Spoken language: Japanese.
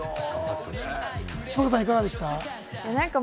下川さん、いかがでした？